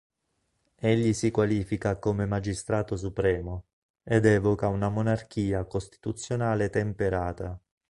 Egli si qualifica come "magistrato supremo" ed evoca una "monarchia costituzionale temperata".